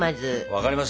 分かりました。